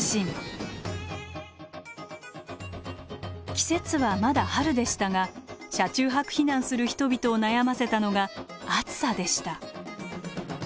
季節はまだ春でしたが車中泊避難する人々を悩ませたのが「暑さ」でした。